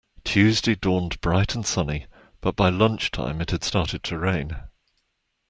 Tuesday dawned bright and sunny, but by lunchtime it had started to rain